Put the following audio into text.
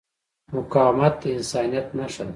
مقاومت د انسانیت نښه ده.